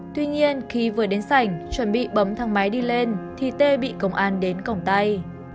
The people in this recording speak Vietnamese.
tuy nhiên khi vừa đến sảnh chuẩn bị bấm thang máy đi lên thì tê bị công an đến cổng tay